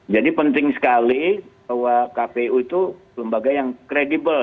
jadi penting sekali bahwa kpu itu lembaga yang kredibel